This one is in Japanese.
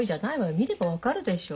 見れば分かるでしょ。